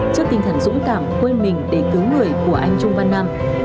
trước tinh thần dũng cảm quên mình để cứu người của anh trung văn nam